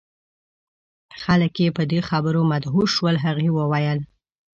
خلک یې په دې خبرو مدهوش شول. هغوی وویل: